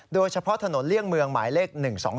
โดยเฉพาะถนนเลี่ยงเมืองหมายเลข๑๒๒